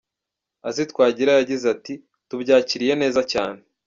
Azy Twagira yagize ati: “Tubyakiriye neza cyane.